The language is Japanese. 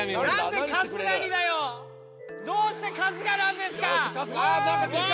どうして春日なんですか！